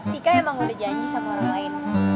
tika emang udah janji sama orang lain